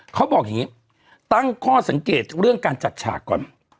เขาบอกอย่างนี้ตั้งข้อสังเกตเรื่องการจัดฉากก่อน